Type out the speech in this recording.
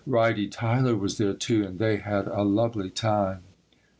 Ritie Tyler was there, too, and they had a lovely time.